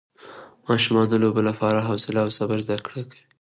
ماشومان د لوبو له لارې د حوصله او صبر زده کړه کوي